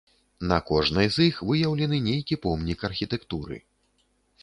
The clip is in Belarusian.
На кожнай з іх выяўлены нейкі помнік архітэктуры.